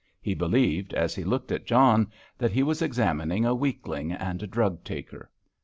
He believed, as he looked at John, that he was examining a weakling, and a drug taker.